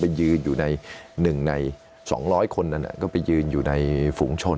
ผมอยู่ใน๒๐๐คนอื่นก็คือในฝูงชน